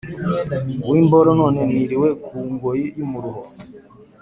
w' imboro none niriwe ku ngoyi y'umuruho!!!